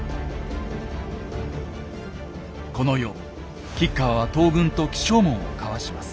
この夜吉川は東軍と起請文を交わします。